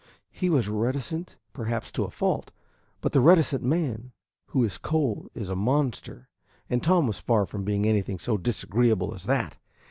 He was reticent perhaps to a fault, but the reticent man who is cold is a monster, and Tom was far from being anything so disagreeable as that.